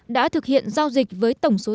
đã thực hiện giao dịch với tổ chức đánh bạc